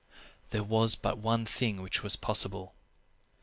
There was but one thing which was possible.